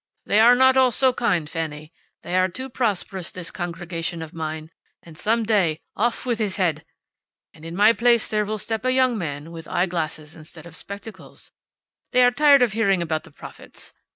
They are not all so kind, Fanny. They are too prosperous, this congregation of mine. And some day, `Off with his head!' And in my place there will step a young man, with eye glasses instead of spectacles. They are tired of hearing about the prophets.